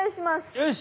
よし。